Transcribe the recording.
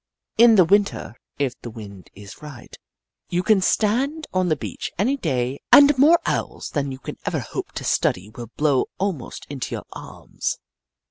In the Winter, if the wind is right, you can stand on the beach any day and more Owls than you can ever hope to study will blow almost into your arms.